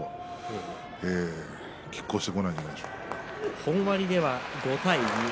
本割では５対２。